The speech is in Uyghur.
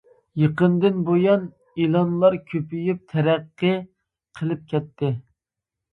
يېقىندىن بۇيان ئېلانلار كۆپىيىپ تەرەققىي قىلىپ كەتتى.